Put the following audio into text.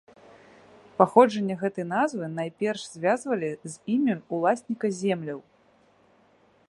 Паходжанне гэтай назвы найперш звязвалі з імем уласніка земляў.